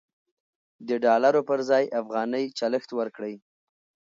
د ډالرو پر ځای افغانۍ چلښت ورکړئ.